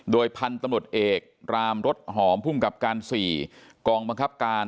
โดยพันธุ์ตำรวจเอกรามรถหอมภูมิกับการ๔กองบังคับการ